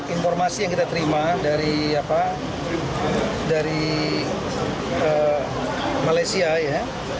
informasi yang kita terima dari malaysia ya